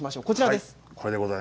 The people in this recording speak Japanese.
こちらです。